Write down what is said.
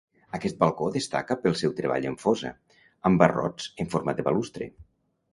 Aquest balcó destaca pel seu treball en fosa, amb barrots en forma de balustre.